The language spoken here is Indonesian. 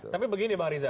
tapi begini bang riza